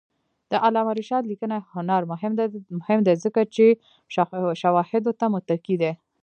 د علامه رشاد لیکنی هنر مهم دی ځکه چې شواهدو ته متکي دی.